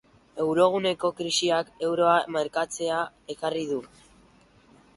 Euroguneko krisiak euroa merkatzea ekarri du.